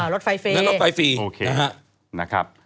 รถไฟฟรีนะครับ